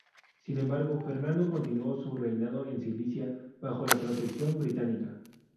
Sin embargo, Fernando continuó su reinado en Sicilia, bajo la protección británica.